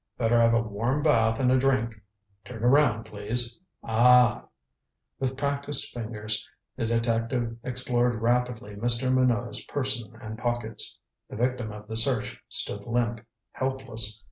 Better have a warm bath and a drink. Turn around, please. Ah " With practised fingers the detective explored rapidly Mr. Minot's person and pockets. The victim of the search stood limp, helpless.